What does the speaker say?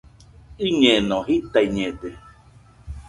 Iñeno.jitaiñede